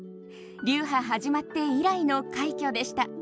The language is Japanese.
流派始まって以来の快挙でした。